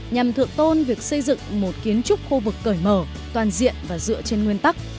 nhằm thượng tôn việc xây dựng một kiến trúc khu vực cởi mở toàn diện và dựa trên nguyên tắc